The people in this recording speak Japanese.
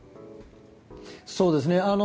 そうですね。